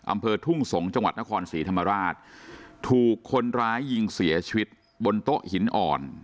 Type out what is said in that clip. อำเภอทุ่งสงศ์จังหวัดนครศรีธรรมราชถูกคนร้ายยิงเสียชีวิตบนโต๊ะหินอ่อน